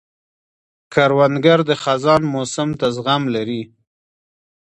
کروندګر د خزان موسم ته زغم لري